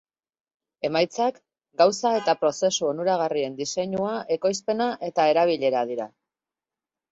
Emaitzak gauza eta prozesu onuragarriren diseinua, ekoizpena eta erabilera dira.